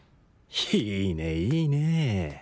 いいねいいね！